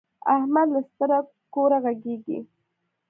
احمد له ستره کوره غږيږي.